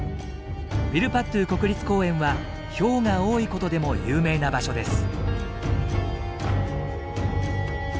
ウィルパットゥ国立公園はヒョウが多いことでも有名な場所です。